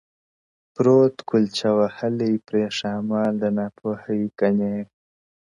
پروت کلچه وهلی پرې ښامار د نا پوهۍ کنې,